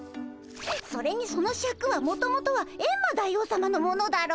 それにそのシャクはもともとはエンマ大王さまのものだろ？